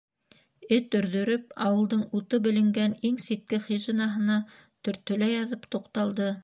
Эт өрҙөрөп, ауылдың уты беленгән иң ситке хижинаһына төртөлә яҙып туҡталды.